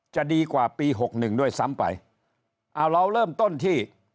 จะดีกว่าปี๖๑ด้วยซ้ำไปเราเริ่มต้นที่